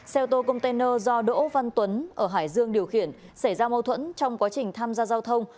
xe ô tô container do đỗ văn tuấn ở hải dương điều khiển xảy ra mâu thuẫn trong quá trình tham gia giao thông